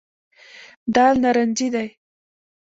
دال نارنجي دي.